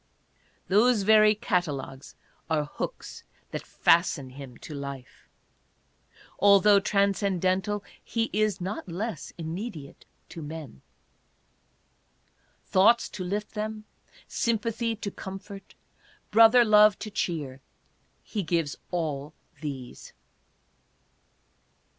Those very cat alogues are hooks that fasten him to life. Altogether trans cendental, he is not less immediate to men. Thoughts to lift * See frontispiece. CLIFFORD. 3* them, sympathy to comfort, brother love to cheer — he gives all these.